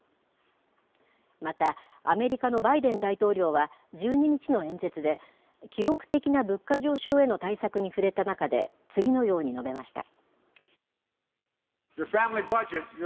また、アメリカのバイデン大統領は、１２日の演説で、記録的な物価上昇への対策に触れた中で、次のように述べました。